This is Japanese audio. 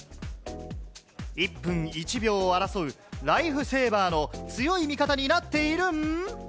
一分一秒を争うライフセーバーの強い味方になっているん。